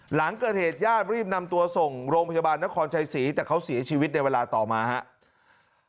หลังเกิดเหตุญาติรีบนำตัวส่งโรงพยาบาลนครชัยศรีแต่เขาเสียชีวิตในเวลาต่อมาครับ